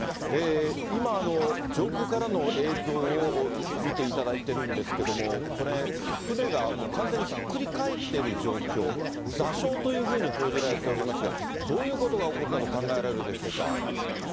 今、上空からの映像を見ていただいているんですけども、これ、舟がもう完全にひっくり返ってる状況、座礁というふうに報じられておりますが、どういうことが起こったと考えられるでしょうか。